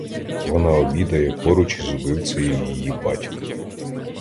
Вона обідає поруч із убивцею її батька.